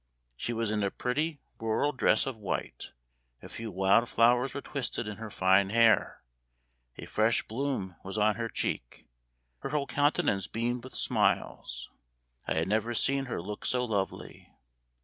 She was in a pretty rural dress of white; a few wild flowers were twisted in her fine hair; a fresh bloom was on her cheek; her whole countenance beamed with smiles I had never seen her look so lovely.